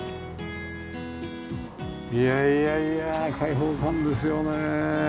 いやいやいや開放感ですよね。